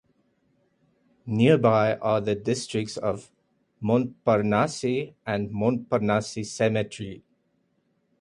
Nearby are the districts of Montparnasse and Montparnasse Cemetery.